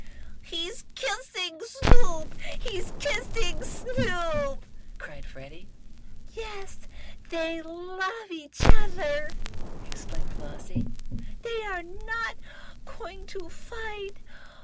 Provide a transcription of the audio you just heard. "He's kissing Snoop! He's kissing Snoop!" cried Freddie. "Yes, they love each other!" exclaimed Flossie. "They are not going to fight!